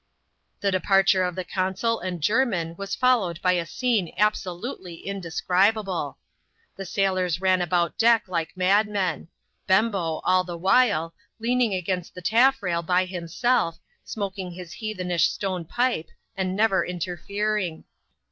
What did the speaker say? The departure of the consul and Jermin was followed by a scene absolutely indescribable. The sailors ran about deck like madmen ; Bembo, all the while, leaning against the taff rail by himself smoking his heathenish stone pipe, and never interfering.